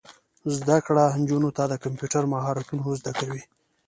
زده کړه نجونو ته د کمپیوټر مهارتونه ور زده کوي.